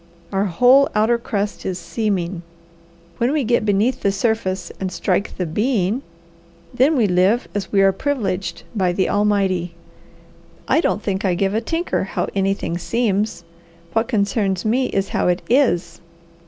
Our whole outer crust is 'seeming.' When we get beneath the surface and strike the BEING, then we live as we are privileged by the Almighty. I don't think I give a tinker how anything SEEMS. What concerns me is how it IS.